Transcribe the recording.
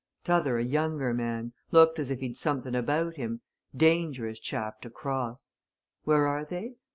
T'other a younger man, looked as if he'd something about him dangerous chap to cross. Where are they?